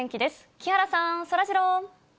木原さん、そらジロー。